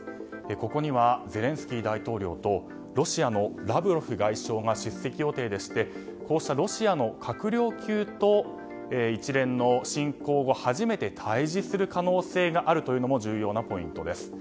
ここには、ゼレンスキー大統領とロシアのラブロフ外相が出席予定でしてこうしたロシアの閣僚級と一連の侵攻後、初めて対峙する可能性があるというのも重要なポイントです。